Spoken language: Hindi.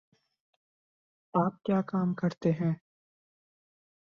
आप क्या काम करते हैं